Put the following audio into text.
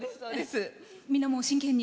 みんな、もう真剣に？